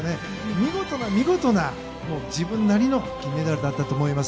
見事な見事な自分なりの金メダルだったと思います。